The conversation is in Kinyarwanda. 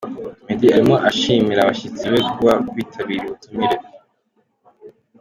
Meddy arimo ashimira abashyitsi be kuba bitabiriye ubutumire.